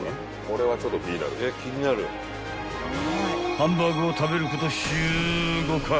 ［ハンバーグを食べること］